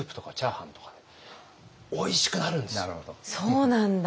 そうなんだ。